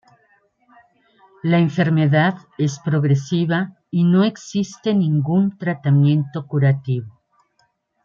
La enfermedad es progresiva y no existe ningún tratamiento curativo.